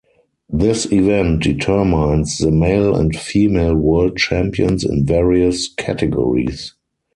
This event determines the male and female world champions in various categories.